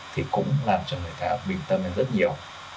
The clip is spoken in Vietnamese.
thì cũng làm cho người ta bình tâm hơn rất nhiều